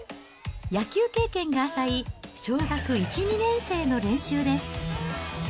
野球経験が浅い小学１、２年生の練習です。